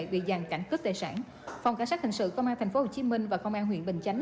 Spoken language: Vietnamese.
bị giàn cảnh cướp tài sản phòng cảnh sát hình sự công an thành phố hồ chí minh và công an huyện bình chánh